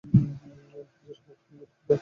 হাজার হউক, স্বামী তো বটে।